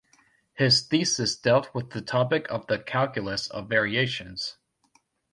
His thesis dealt with the topic of the calculus of variations.